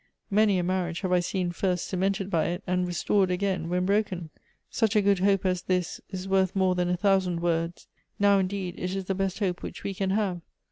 Many a marriage have I seen first cemented by it, and restored again when broken. Such a good hope as this is worth more than a thousand words. Now indeed it is the best hope which we can have.